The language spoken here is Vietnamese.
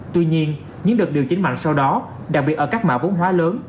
tuy nhiên những đợt điều chỉnh mạnh sau đó đặc biệt ở các mạ vốn hóa lớn